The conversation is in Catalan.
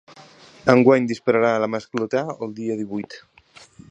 Enguany dispararà la ‘mascletà’ el dia divuit.